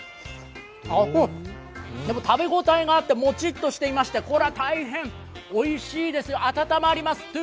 食べ応えがあってもちっとしていましてこれは大変おいしいです、温まります。